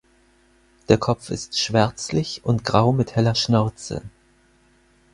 Der Kopf ist schwärzlich und grau mit heller Schnauze.